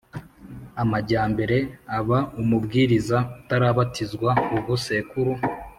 amajyambere aba umubwiriza utarabatizwa Ubu sekuru